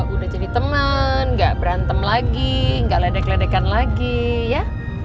udah jadi teman gak berantem lagi nggak ledek ledekan lagi ya